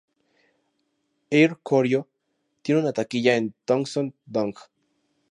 Air Koryo tiene una taquilla en Tongsong-dong.